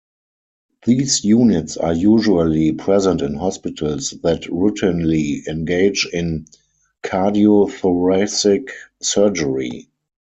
These units are usually present in hospitals that routinely engage in cardiothoracic surgery.